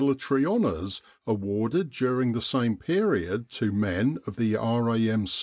in Egypt tary Honours awarded during the same period to men of the R.A.M.